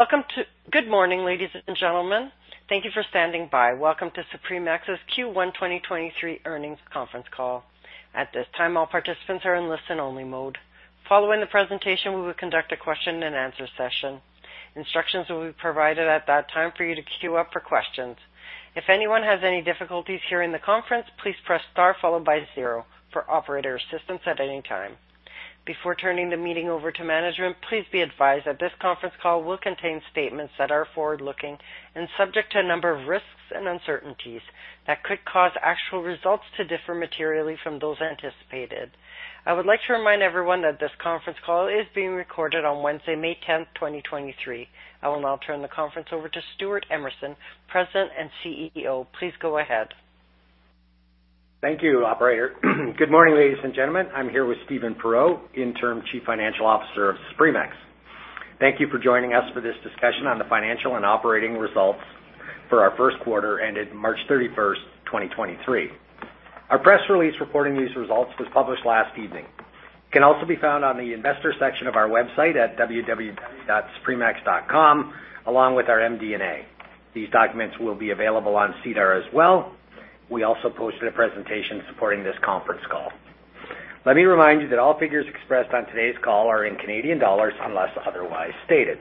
Welcome to good morning, ladies and gentlemen. Thank you for standing by. Welcome to Supremex's Q1 2023 earnings conference call. At this time, all participants are in listen-only mode. Following the presentation, we will conduct a question-and-answer session. Instructions will be provided at that time for you to queue up for questions. If anyone has any difficulties hearing the conference, please press star followed by zero for operator assistance at any time. Before turning the meeting over to management, please be advised that this conference call will contain statements that are forward-looking and subject to a number of risks and uncertainties that could cause actual results to differ materially from those anticipated. I would like to remind everyone that this conference call is being recorded on Wednesday, May 10th, twenty twenty-three. I will now turn the conference over to Stewart Emerson, President and CEO. Please go ahead. Thank you, operator. Good morning, ladies and gentlemen. I'm here with Steven Perreault, Interim Chief Financial Officer of Supremex. Thank you for joining us for this discussion on the financial and operating results for our first quarter ended March 31st, 2023. Our press release reporting these results was published last evening. It can also be found on the Investor section of our website at www.supremex.com, along with our MD&A. These documents will be available on SEDAR as well. We also posted a presentation supporting this conference call. Let me remind you that all figures expressed on today's call are in Canadian dollars, unless otherwise stated.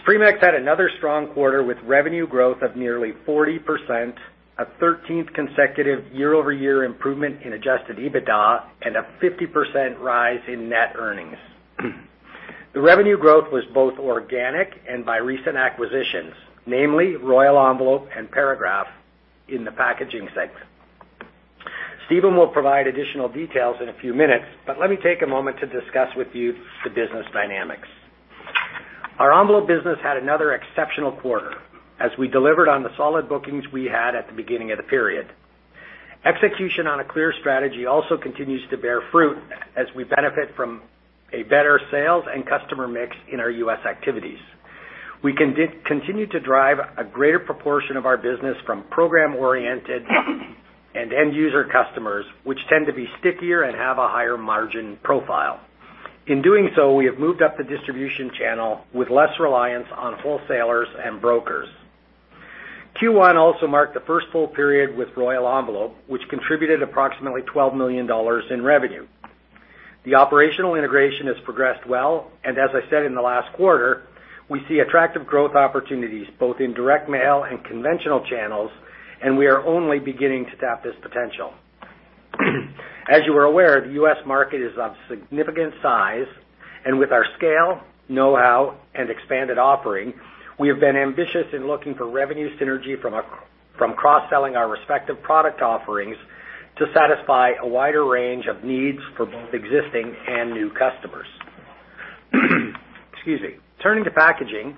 Supremex had another strong quarter with revenue growth of nearly 40%, a 13th consecutive year-over-year improvement in Adjusted EBITDA, a 50% rise in net earnings. The revenue growth was both organic and by recent acquisitions, namely Royal Envelope and Paragraph in the packaging segment. Steven will provide additional details in a few minutes, but let me take a moment to discuss with you the business dynamics. Our envelope business had another exceptional quarter as we delivered on the solid bookings we had at the beginning of the period. Execution on a clear strategy also continues to bear fruit as we benefit from a better sales and customer mix in our U.S. activities. We continue to drive a greater proportion of our business from program-oriented and end user customers, which tend to be stickier and have a higher margin profile. In doing so, we have moved up the distribution channel with less reliance on wholesalers and brokers. Q1 also marked the first full period with Royal Envelope, which contributed approximately 12 million dollars in revenue. The operational integration has progressed well, and as I said in the last quarter, we see attractive growth opportunities both in direct mail and conventional channels, and we are only beginning to tap this potential. As you are aware, the U.S. market is of significant size, and with our scale, know-how, and expanded offering, we have been ambitious in looking for revenue synergy from cross-selling our respective product offerings to satisfy a wider range of needs for both existing and new customers. Excuse me. Turning to packaging,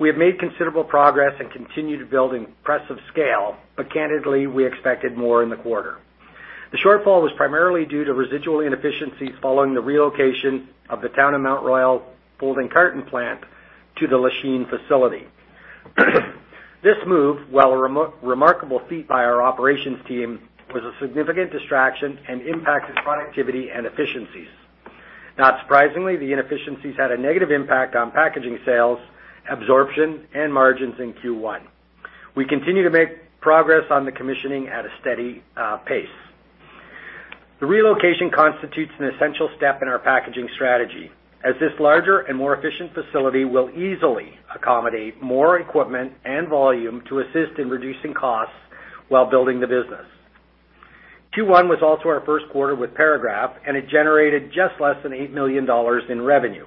we have made considerable progress and continue to build impressive scale, but candidly, we expected more in the quarter. The shortfall was primarily due to residual inefficiencies following the relocation of the town of Mount Royal folding carton plant to the Lachine facility. This move, while a remarkable feat by our operations team, was a significant distraction and impacted productivity and efficiencies. Not surprisingly, the inefficiencies had a negative impact on packaging sales, absorption, and margins in Q1. We continue to make progress on the commissioning at a steady pace. The relocation constitutes an essential step in our packaging strategy, as this larger and more efficient facility will easily accommodate more equipment and volume to assist in reducing costs while building the business. Q1 was also our first quarter with Paragraph, and it generated just less than 8 million dollars in revenue.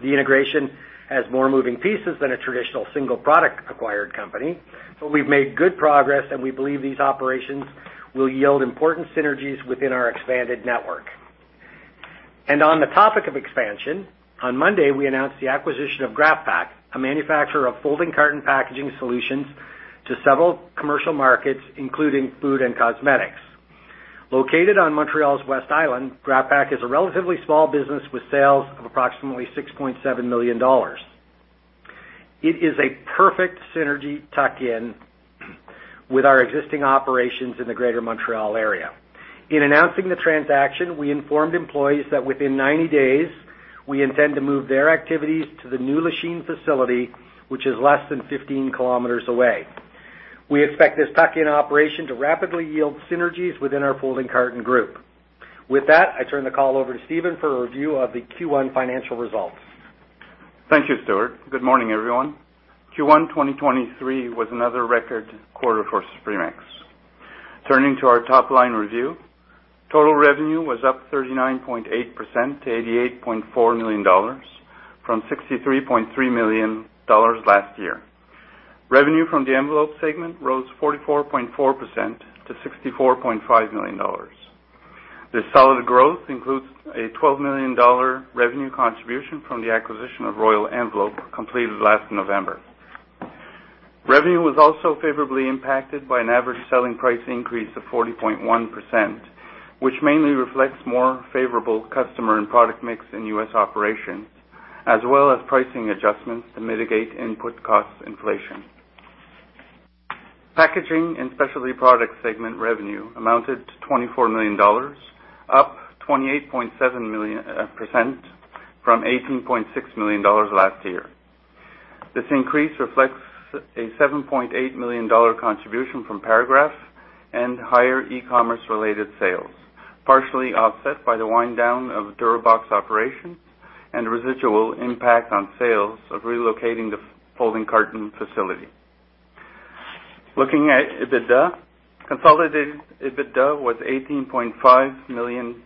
The integration has more moving pieces than a traditional single product acquired company, but we've made good progress, and we believe these operations will yield important synergies within our expanded network. On the topic of expansion, on Monday, we announced the acquisition of Graf-Pak Inc., a manufacturer of folding carton packaging solutions to several commercial markets, including food and cosmetics. Located on Montreal's West Island, Graf-Pak Inc. is a relatively small business with sales of approximately 6.7 million dollars. It is a perfect synergy tuck-in with our existing operations in the Greater Montreal area. In announcing the transaction, we informed employees that within 90 days, we intend to move their activities to the new Lachine facility, which is less than 15 kilometers away. We expect this tuck-in operation to rapidly yield synergies within our folding carton group. With that, I turn the call over to Steven for a review of the Q1 financial results. Thank you, Stewart. Good morning, everyone. Q1 2023 was another record quarter for Supremex. Turning to our top-line review, total revenue was up 39.8% to 88.4 million dollars from 63.3 million dollars last year. Revenue from the envelope segment rose 44.4% to CAD 64.5 million. This solid growth includes a 12 million dollar revenue contribution from the acquisition of Royal Envelope completed last November. Revenue was also favorably impacted by an average selling price increase of 40.1%, which mainly reflects more favorable customer and product mix in U.S. operations, as well as pricing adjustments to mitigate input cost inflation. Packaging and specialty product segment revenue amounted to 24 million dollars, up 28.7% from 18.6 million dollars last year. This increase reflects a 7.8 million dollar contribution from Paragraph and higher e-commerce related sales, partially offset by the wind down of Durabox operations and residual impact on sales of relocating the folding carton facility. Looking at EBITDA, consolidated EBITDA was 18.5 million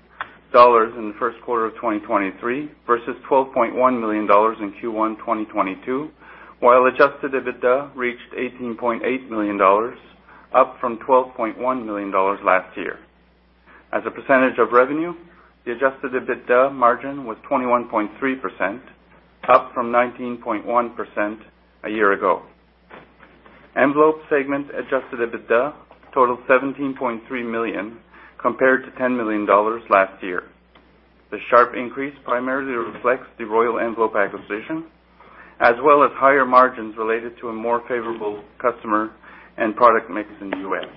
dollars in the first quarter of 2023 versus 12.1 million dollars in Q1 2022. While Adjusted EBITDA reached 18.8 million dollars, up from 12.1 million dollars last year. As a percentage of revenue, the Adjusted EBITDA margin was 21.3%, up from 19.1% a year ago. Envelope segment Adjusted EBITDA totaled CAD 17.3 million, compared to CAD 10 million last year. The sharp increase primarily reflects the Royal Envelope acquisition, as well as higher margins related to a more favorable customer and product mix in the U.S.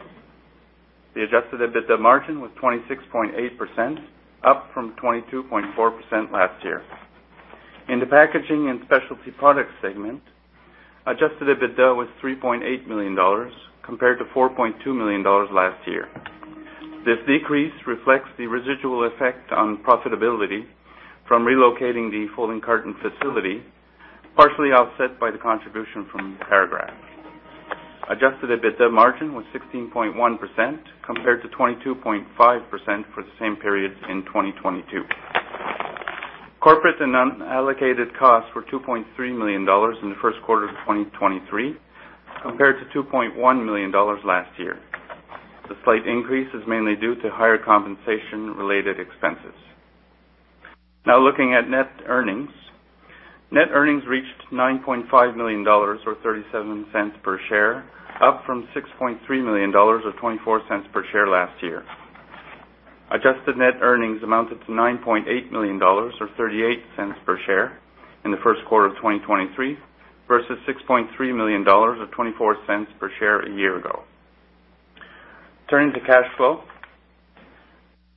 The Adjusted EBITDA margin was 26.8%, up from 22.4% last year. In the packaging and specialty products segment, Adjusted EBITDA was 3.8 million dollars, compared to 4.2 million dollars last year. This decrease reflects the residual effect on profitability from relocating the folding carton facility, partially offset by the contribution from Paragraph. Adjusted EBITDA margin was 16.1%, compared to 22.5% for the same period in 2022. Corporate and unallocated costs were 2.3 million dollars in the first quarter of 2023, compared to 2.1 million dollars last year. The slight increase is mainly due to higher compensation related expenses. Looking at net earnings. Net earnings reached 9.5 million dollars or 0.37 per share, up from 6.3 million dollars or 0.24 per share last year. Adjusted net earnings amounted to 9.8 million dollars or 0.38 per share in the first quarter of 2023 versus 6.3 million dollars or 0.24 per share a year ago. Turning to cash flow.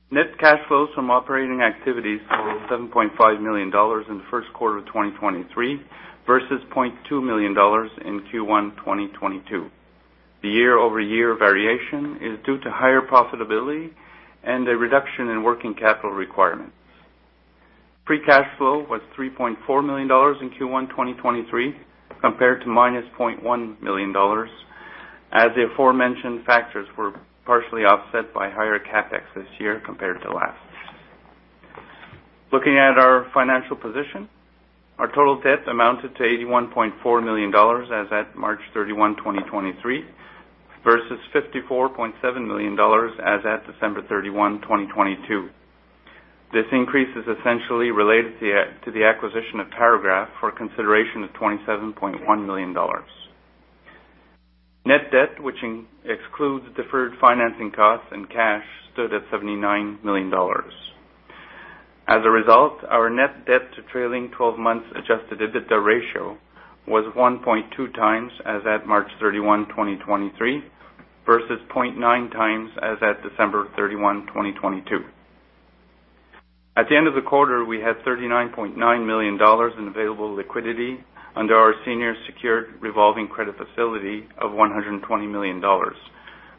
Net cash flows from operating activities totaled 7.5 million dollars in the first quarter of 2023 versus 0.2 million dollars in Q1 2022. The year-over-year variation is due to higher profitability and a reduction in working capital requirements. Free cash flow was 3.4 million dollars in Q1 2023, compared to -0.1 million dollars as the aforementioned factors were partially offset by higher CapEx this year compared to last. Looking at our financial position, our total debt amounted to 81.4 million dollars as at March 31, 2023 versus 54.7 million dollars as at December 31, 2022. This increase is essentially related to the acquisition of Paragraph for consideration of 27.1 million dollars. Net debt, which excludes deferred financing costs and cash, stood at 79 million dollars. As a result, our net debt to trailing twelve months adjusted EBITDA ratio was 1.2 times as at March 31, 2023 versus 0.9 times as at December 31, 2022. At the end of the quarter, we had 39.9 million dollars in available liquidity under our senior secured revolving credit facility of 120 million dollars,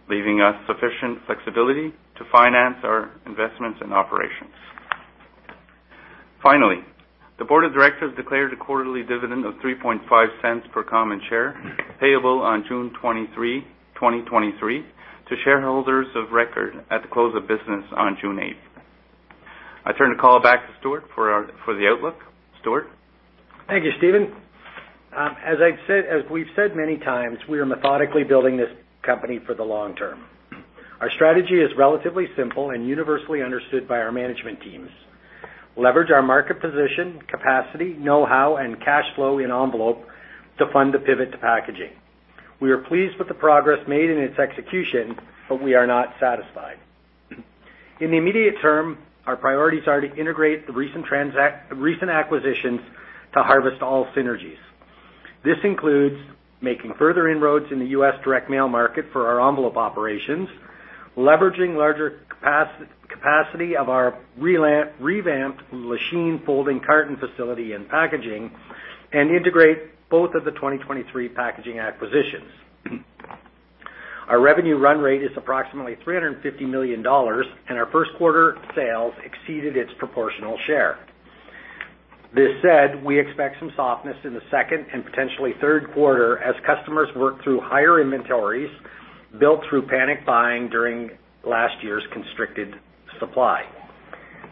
leaving us sufficient flexibility to finance our investments and operations. Finally, the Board of Directors declared a quarterly dividend of $0.035 per common share payable on June 23, 2023 to shareholders of record at the close of business on June 8. I turn the call back to Stewart for the outlook. Stewart? Thank you, Steven. As we've said many times, we are methodically building this company for the long term. Our strategy is relatively simple and universally understood by our management teams. Leverage our market position, capacity, know-how, and cash flow in envelope to fund the pivot to packaging. We are pleased with the progress made in its execution, but we are not satisfied. In the immediate term, our priorities are to integrate the recent acquisitions to harvest all synergies. This includes making further inroads in the U.S. direct mail market for our envelope operations, leveraging larger capacity of our revamped Lachine folding carton facility and packaging, and integrate both of the 2023 packaging acquisitions. Our revenue run rate is approximately 350 million dollars, and our first quarter sales exceeded its proportional share. This said, we expect some softness in the second and potentially third quarter as customers work through higher inventories built through panic buying during last year's constricted supply.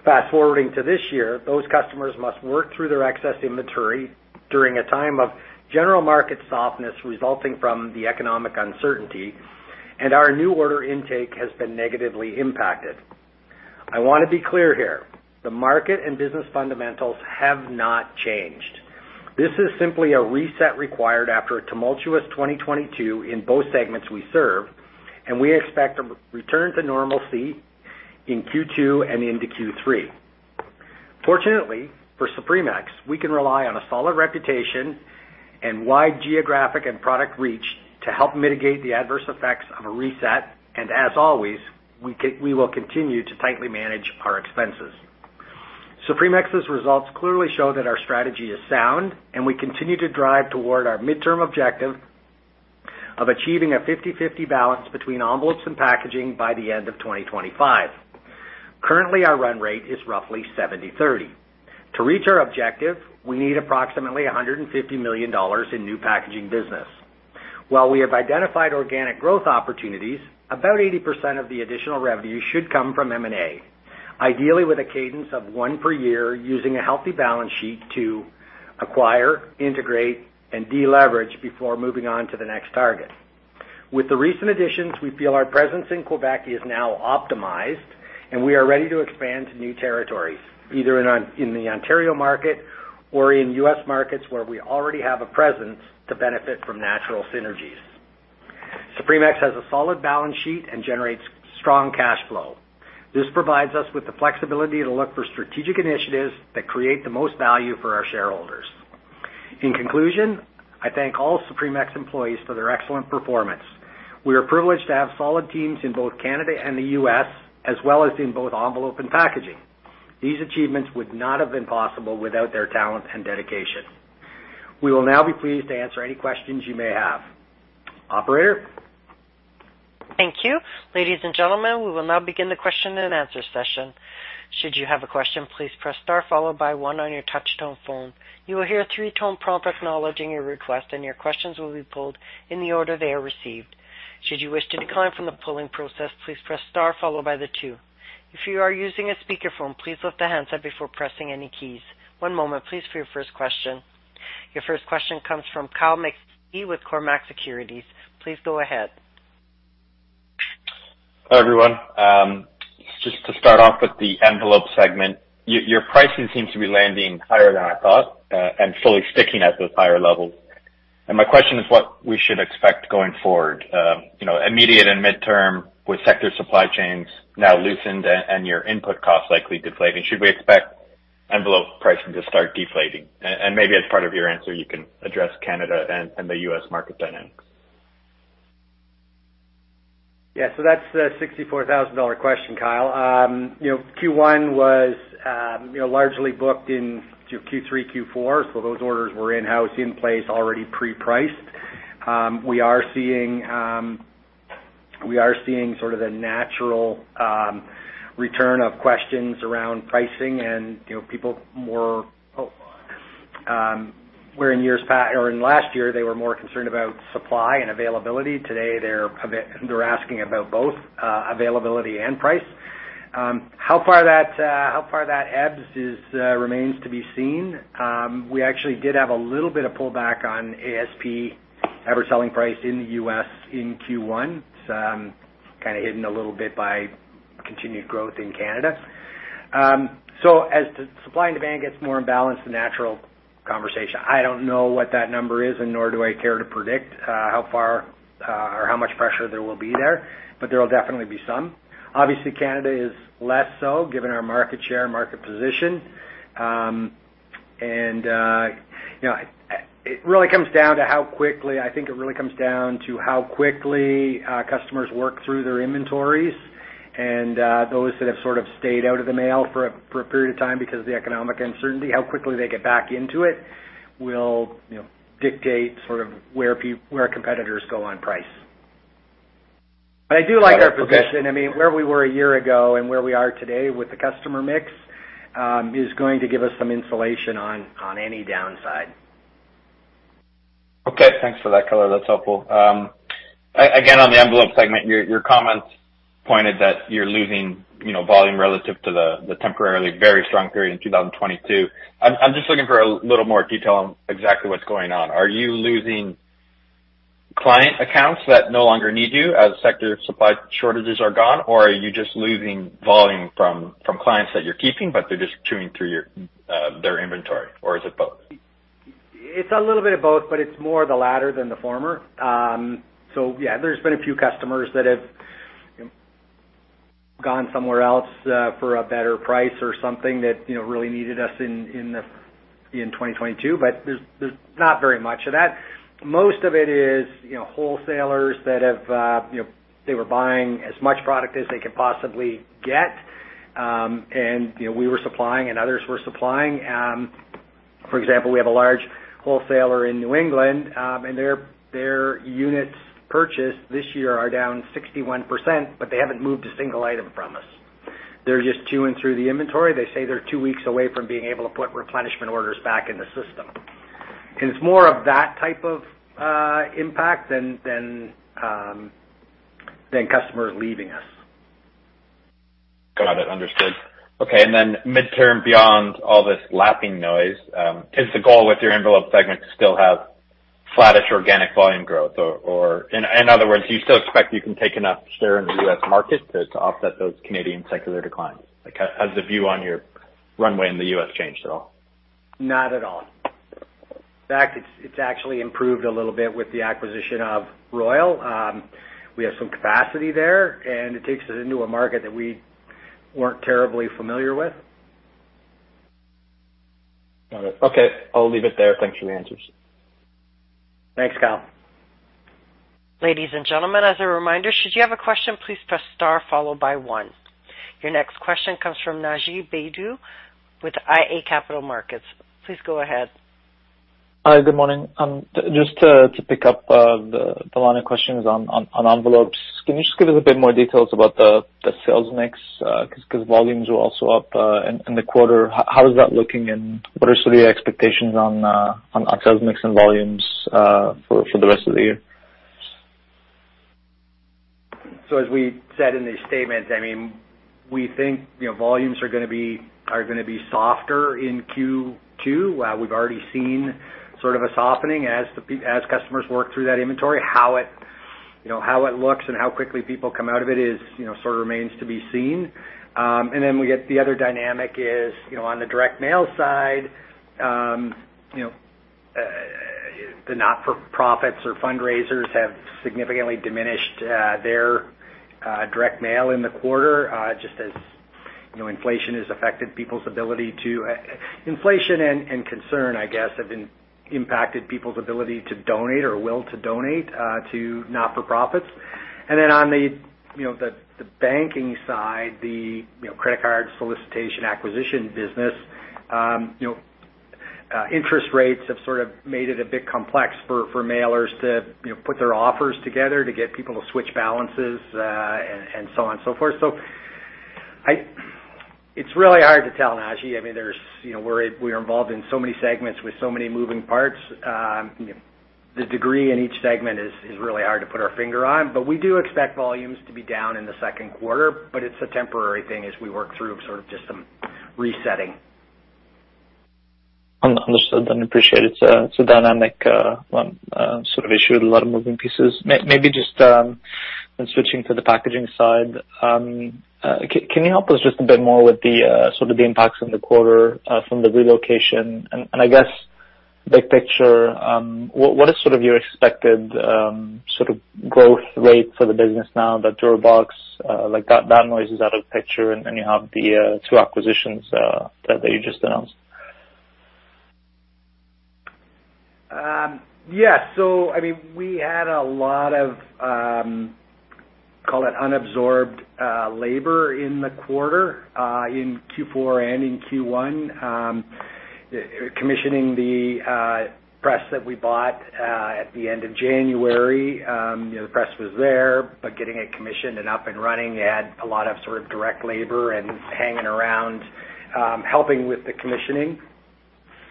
Fast-forwarding to this year, those customers must work through their excess inventory during a time of general market softness resulting from the economic uncertainty, and our new order intake has been negatively impacted. I wanna be clear here, the market and business fundamentals have not changed. This is simply a reset required after a tumultuous 2022 in both segments we serve, and we expect a return to normalcy in Q2 and into Q3. Fortunately, for Supremex, we can rely on a solid reputation and wide geographic and product reach to help mitigate the adverse effects of a reset. As always, we will continue to tightly manage our expenses. Supremex's results clearly show that our strategy is sound. We continue to drive toward our midterm objective of achieving a 50/50 balance between envelopes and packaging by the end of 2025. Currently, our run rate is roughly 70/30. To reach our objective, we need approximately 150 million dollars in new packaging business. While we have identified organic growth opportunities, about 80% of the additional revenue should come from M&A, ideally with a cadence of one per year, using a healthy balance sheet to acquire, integrate, and de-leverage before moving on to the next target. With the recent additions, we feel our presence in Quebec is now optimized. We are ready to expand to new territories, either in the Ontario market or in U.S. markets where we already have a presence to benefit from natural synergies. Supremex has a solid balance sheet and generates strong cash flow. This provides us with the flexibility to look for strategic initiatives that create the most value for our shareholders. In conclusion, I thank all Supremex employees for their excellent performance. We are privileged to have solid teams in both Canada and the U.S., as well as in both envelope and packaging. These achievements would not have been possible without their talent and dedication. We will now be pleased to answer any questions you may have. Operator? Thank you. Ladies and gentlemen, we will now begin the question and answer session. Should you have a question, please press star followed by one on your touchtone phone. You will hear a three-tone prompt acknowledging your request, and your questions will be pulled in the order they are received. Should you wish to decline from the pulling process, please press star followed by the two. If you are using a speakerphone, please lift the handset before pressing any keys. One moment, please, for your first question. Your first question comes from Kyle McPhee with Cormark Securities. Please go ahead. Hi, everyone. Just to start off with the envelope segment, your pricing seems to be landing higher than I thought, and fully sticking at those higher levels. My question is what we should expect going forward, you know, immediate and midterm with sector supply chains now loosened and your input costs likely deflating. Should we expect envelope pricing to start deflating? Maybe as part of your answer, you can address Canada and the U.S. market dynamics. That's the 64,000 dollar question, Kyle. You know, Q1 was, you know, largely booked in to Q3, Q4, so those orders were in-house, in place, already pre-priced. We are seeing sort of the natural return of questions around pricing and, you know, people more where in years or in last year, they were more concerned about supply and availability. Today, they're asking about both, availability and price. How far that, how far that ebbs is, remains to be seen. We actually did have a little bit of pullback on ASP, average selling price, in the U.S. in Q1. It's kind of hidden a little bit by continued growth in Canada. As the supply and demand gets more imbalanced, the natural conversation. I don't know what that number is. Nor do I care to predict, how far, or how much pressure there will be there, but there will definitely be some. Obviously, Canada is less so, given our market share, market position. You know, it really comes down to how quickly, I think it really comes down to how quickly, customers work through their inventories and, those that have sort of stayed out of the mail for a period of time because of the economic uncertainty. How quickly they get back into it will, you know, dictate sort of where competitors go on price. I do like our position. I mean, where we were a year ago and where we are today with the customer mix, is going to give us some insulation on any downside. Okay. Thanks for that color. That's helpful. Again, on the envelope segment, your comments pointed that you're losing, you know, volume relative to the temporarily very strong period in 2022. I'm just looking for a little more detail on exactly what's going on. Are you losing client accounts that no longer need you as sector supply shortages are gone, or are you just losing volume from clients that you're keeping, but they're just chewing through your inventory, or is it both? It's a little bit of both, but it's more the latter than the former. Yeah, there's been a few customers that have gone somewhere else for a better price or something that, you know, really needed us in 2022, but there's not very much of that. Most of it is, you know, wholesalers that have, you know, they were buying as much product as they could possibly get, and, you know, we were supplying and others were supplying. For example, we have a large wholesaler in New England, and their units purchased this year are down 61%, but they haven't moved a single item from us. They're just chewing through the inventory. They say they're two weeks away from being able to put replenishment orders back in the system. It's more of that type of impact than customers leaving us. Got it. Understood. Okay. Midterm beyond all this lapping noise, is the goal with your envelope segment to still have flattish organic volume growth or, in other words, do you still expect you can take enough share in the U.S. market to offset those Canadian secular declines? Like, has the view on your runway in the U.S. changed at all? Not at all. In fact, it's actually improved a little bit with the acquisition of Royal. We have some capacity there, and it takes us into a market that we weren't terribly familiar with. Got it. Okay. I'll leave it there. Thanks for your answers. Thanks, Kyle. Ladies and gentlemen, as a reminder, should you have a question, please press star followed by one. Your next question comes from Naji Baydoun with iA Capital Markets. Please go ahead. Hi. Good morning. just to pick up the line of questions on envelopes. Can you just give us a bit more details about the sales mix, 'cause volumes were also up in the quarter. How is that looking, and what are some of the expectations on sales mix and volumes for the rest of the year? As we said in the statement, I mean, we think, you know, volumes are gonna be softer in Q2. We've already seen sort of a softening as customers work through that inventory. How it, you know, how it looks and how quickly people come out of it is, you know, sort of remains to be seen. We get the other dynamic is, you know, on the direct mail side, you know, the not-for-profits or fundraisers have significantly diminished their direct mail in the quarter, just as, you know, Inflation and concern, I guess, have been impacted people's ability to donate or will to donate to not-for-profits. On the, you know, the banking side, the, you know, credit card solicitation acquisition business, you know, interest rates have sort of made it a bit complex for mailers to, you know, put their offers together to get people to switch balances, and so on and so forth. It's really hard to tell, Naji Baydoun. I mean, there's, you know, we're involved in so many segments with so many moving parts. The degree in each segment is really hard to put our finger on. We do expect volumes to be down in the second quarter, but it's a temporary thing as we work through sort of just some resetting. Understood and appreciated. It's a dynamic one sort of issue with a lot of moving pieces. Maybe just, when switching to the packaging side, can you help us just a bit more with the sort of the impacts in the quarter from the relocation? I guess big picture, what is sort of your expected sort of growth rate for the business now that Durabox, like that noise is out of the picture and you have the two acquisitions that you just announced? Yeah. I mean, we had a lot of, call it unabsorbed, labor in the quarter, in Q4 and in Q1. Commissioning the press that we bought at the end of January, you know, the press was there. Getting it commissioned and up and running, they had a lot of sort of direct labor and hanging around, helping with the commissioning.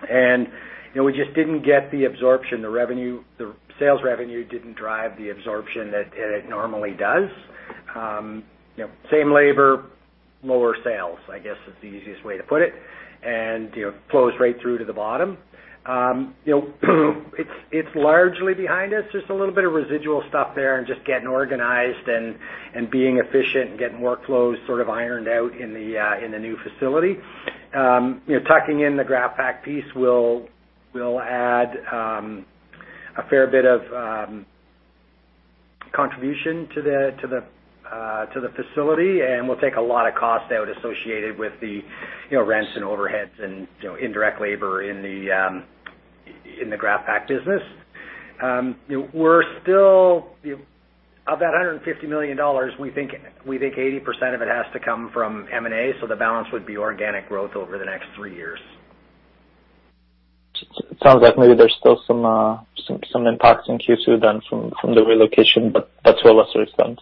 You know, we just didn't get the absorption. The revenue, the sales revenue didn't drive the absorption that it normally does. You know, same labor, lower sales, I guess is the easiest way to put it. You know, flows right through to the bottom. You know, it's largely behind us. Just a little bit of residual stuff there and just getting organized and being efficient and getting workflows sort of ironed out in the new facility. Tucking in the Graf-Pak Inc. piece will add a fair bit of contribution to the facility. We'll take a lot of cost out associated with the rents and overheads and indirect labor in the Graf-Pak Inc. business. We're still of that 150 million dollars, we think 80% of it has to come from M&A. The balance would be organic growth over the next three years. Sounds like maybe there's still some impacts in Q2 then from the relocation, but that's well understood.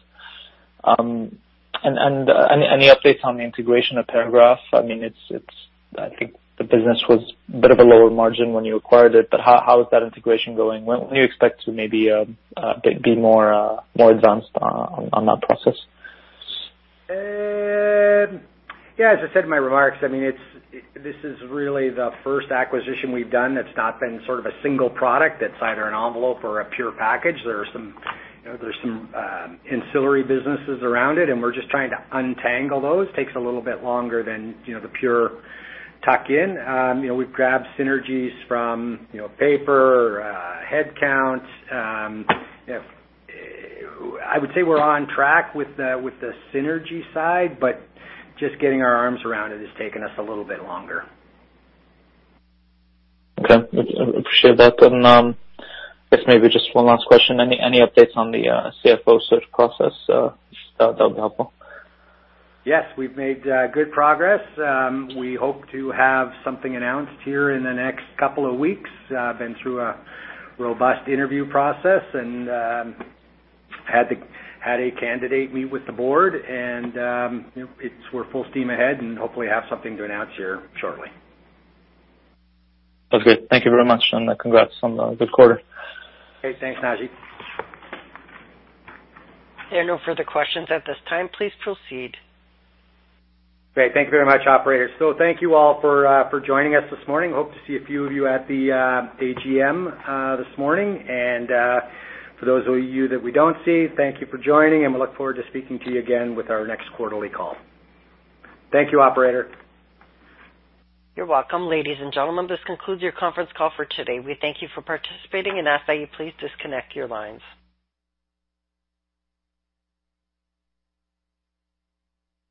Any updates on the integration of Paragraph? I mean, it's I think the business was a bit of a lower margin when you acquired it, but how is that integration going? When do you expect to maybe be more advanced on that process? Yeah, as I said in my remarks, I mean, this is really the first acquisition we've done that's not been sort of a single product that's either an envelope or a pure package. There are some, you know, there's some ancillary businesses around it, and we're just trying to untangle those. Takes a little bit longer than, you know, the pure tuck in. You know, we've grabbed synergies from, you know, paper, headcount. You know, I would say we're on track with the synergy side, but just getting our arms around it has taken us a little bit longer. Okay. Appreciate that. I guess maybe just one last question. Any updates on the CFO search process? That would be helpful. Yes. We've made good progress. We hope to have something announced here in the next couple of weeks. Been through a robust interview process and had a candidate meet with the board and, you know, it's, we're full steam ahead and hopefully have something to announce here shortly. Okay. Thank you very much. Congrats on a good quarter. Great. Thanks, Naji. There are no further questions at this time. Please proceed. Great. Thank you very much, operator. Thank you all for joining us this morning. Hope to see a few of you at the AGM this morning. For those of you that we don't see, thank you for joining, and we look forward to speaking to you again with our next quarterly call. Thank you, operator. You're welcome. Ladies and gentlemen, this concludes your conference call for today. We thank you for participating and ask that you please disconnect your lines.